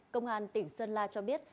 công an tỉnh sơn la cho biết